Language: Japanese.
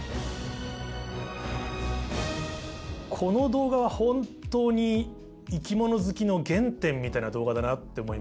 この動画は本当に生き物好きの原点みたいな動画だなって思いました。